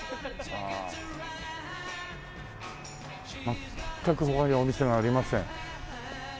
全く周りお店がありません。